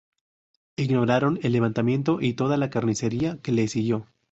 Ignoraron el levantamiento, y toda la carnicería que le siguió.